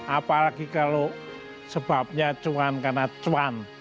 apalagi kalau sebabnya cuman karena cuman